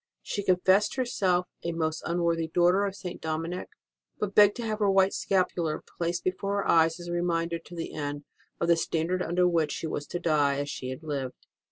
She confessed herself a most unworthy daughter of St. Dominic, but begged to have her white scapular placed before her eyes as a reminder to the end of the Standard under which she was to die, as she had lived.